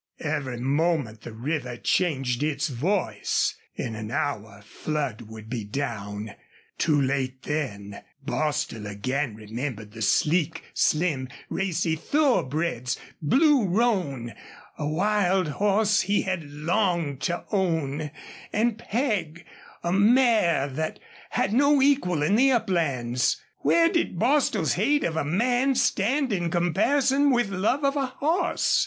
Every moment the river changed its voice. In an hour flood would be down. Too late, then! Bostil again remembered the sleek, slim, racy thoroughbreds Blue Roan, a wild horse he had longed to own, and Peg, a mare that had no equal in the uplands. Where did Bostil's hate of a man stand in comparison with love of a horse?